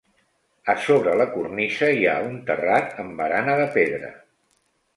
A sobre la cornisa hi ha un terrat amb barana de pedra.